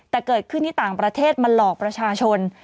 แต่เกิดขึ้นที่ต่างประเทศมาหลอกประชาชน